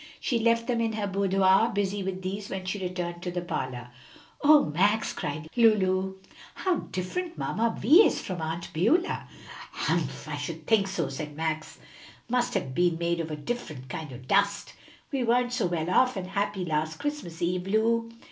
She left them in her boudoir busy with these when she returned to the parlor. "O Max," said Lulu, "how different Mamma Vi is from Aunt Beulah." "Humph, I should think so," said Max, "must have been made of a different kind o' dust. We weren't so well off and happy last Christmas eve, Lu."